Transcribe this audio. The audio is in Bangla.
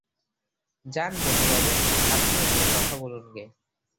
যান পূর্ণবাবু, আপনিও একটা কথা বলুনগে।